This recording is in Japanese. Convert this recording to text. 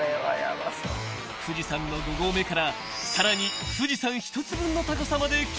［富士山の５合目からさらに富士山１つ分の高さまで急上昇］